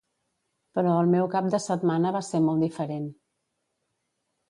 Però el meu cap de setmana va ser molt diferent.